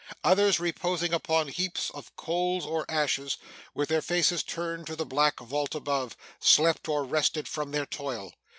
Others, reposing upon heaps of coals or ashes, with their faces turned to the black vault above, slept or rested from their toil.